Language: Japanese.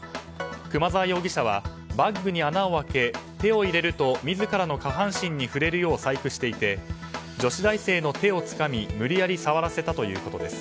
熊沢容疑者はバッグに穴を開け手を入れると自らの下半身に触れるよう細工していて女子大生の手をつかみ無理やり触らせたということです。